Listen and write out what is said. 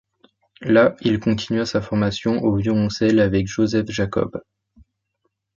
Là il continua sa formation au violoncelle avec Joseph Jacob.